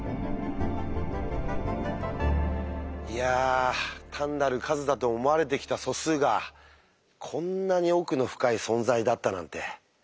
いや単なる数だと思われてきた素数がこんなに奥の深い存在だったなんて。